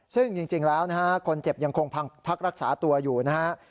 ซึ่งจริงแล้วนะฮะคนเจ็บยังคงพักรักษาตัวอยู่นะฮะ